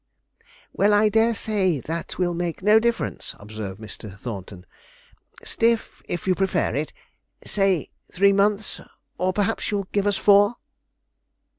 'Well, I dare say that will make no difference,' observed Mr. Thornton, '"stiff," if you prefer it say three months; or perhaps you'll give us four?'